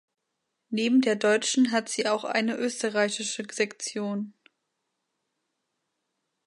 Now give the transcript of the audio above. Neben der deutschen hat sie auch eine österreichische Sektion.